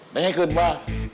dan ikut mbak